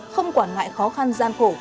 không quản ngại khó khăn gian khổ